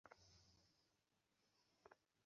সবাই হাসছে তোমার ওপর?